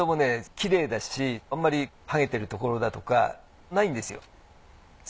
きれいだしあんまりはげてるところだとかないんですよ。